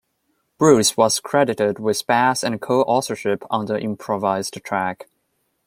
Bruce was credited with bass and co-authorship on the improvised track.